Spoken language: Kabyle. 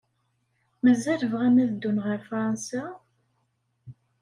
Mazal bɣan ad ddun ɣer Fṛansa?